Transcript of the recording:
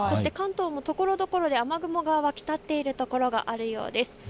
関東もところどころで雨雲が湧き立っているところがあるようです。